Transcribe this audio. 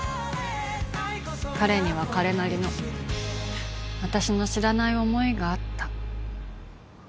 彼には彼なりの私の知らない思いがあった。